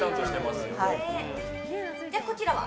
こちらは？